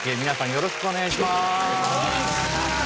よろしくお願いします。